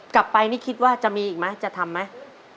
กลับไปนี่คิดว่าจะมีอีกไหมจะทำไหม